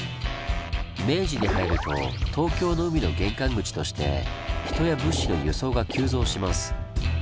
明治に入ると東京の海の玄関口として人や物資の輸送が急増します。